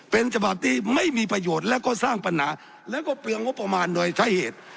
เป็นฉบับที่ไม่มีประโยชน์แล้วก็สร้างปัญหาแล้วก็เปลืองงบประมาณโดยใช้เหตุ